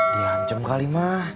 diancam kali ma